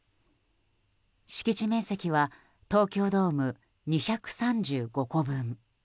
敷地面積は東京ドーム２３５個分。